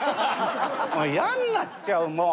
「もう嫌になっちゃうもう！